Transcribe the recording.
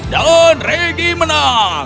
dan reggie menang